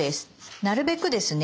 なるべくですね